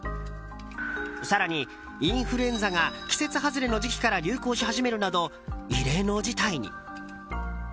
更に、インフルエンザが季節外れの時期から流行し始めるなど異例の事態に。